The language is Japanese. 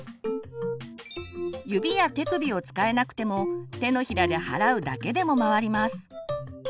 指や手首を使えなくても手のひらで払うだけでも回ります。